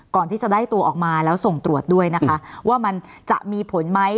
ก่อนที่จะได้ตัวออกมาแล้วส่งตรวจด้วยนะคะว่ามันจะมีผลไหม